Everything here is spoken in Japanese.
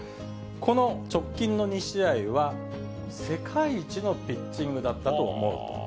この直近の２試合は、世界一のピッチングだったと思うと。